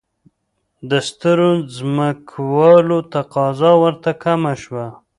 د سترو ځمکوالو تقاضا ورته کمه شوه.